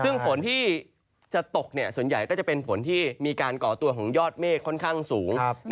ซึ่งฝนที่จะตกส่วนใหญ่ก็จะเป็นฝนที่มีการก่อตัวของยอดเมฆค่อนข้างสูง